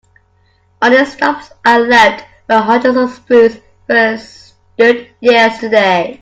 Only stumps are left where hundreds of spruce firs stood yesterday.